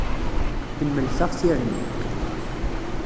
Kemmelt-aɣ tirni.